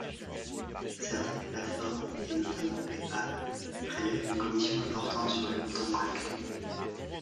Certaines plateformes, et notamment Paypal, prélèvent une commission importante sur les montants collectés.